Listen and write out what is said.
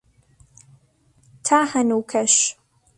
تا هەنووکەش